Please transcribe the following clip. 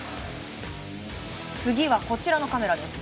次は、こちらのカメラです。